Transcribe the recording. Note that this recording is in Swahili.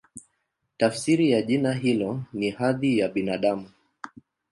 Tafsiri ya jina hilo ni "Hadhi ya Binadamu".